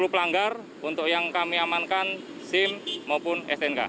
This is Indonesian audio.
tiga puluh pelanggar untuk yang kami amankan sim maupun snk